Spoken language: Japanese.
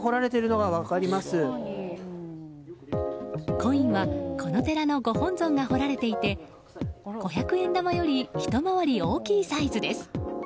コインはこの寺のご本尊が彫られていて五百円玉よりひと回り大きいサイズです。